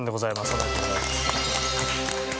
おめでとうございます。